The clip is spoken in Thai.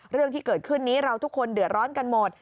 เรื่องที่เกิดขึ้นนี้เราทุกคนเดือดร้อนกันหมด